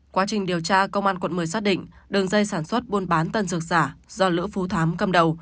quá trình điều tra công an quận một mươi xác định đường dây sản xuất buôn bán tân dược giả do lữ phú thám cầm đầu